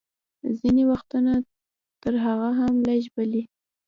ځینې وختونه تر هغه هم لږ، بلې.